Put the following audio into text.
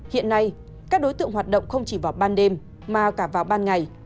hiện nay các đối tượng hoạt động không chỉ vào ban đêm mà cả vào ban ngày